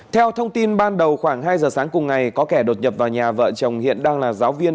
theo thông tin ban đầu khoảng hai giờ sáng cùng ngày có kẻ đột nhập vào nhà vợ chồng hiện đang là giáo viên